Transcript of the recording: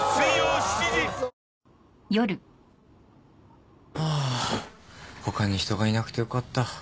えっ？あ他に人がいなくてよかった。